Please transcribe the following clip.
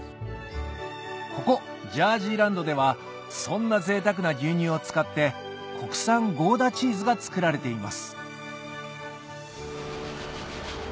ここジャージーランドではそんな贅沢な牛乳を使って国産ゴーダチーズがつくられています